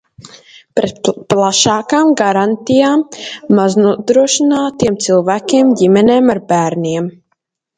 Pret plašākām garantijām maznodrošinātiem cilvēkiem, ģimenēm ar bērniem.